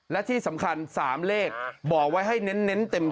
และที่สำคัญ๓เลขบอกไว้ให้เน้นเต็ม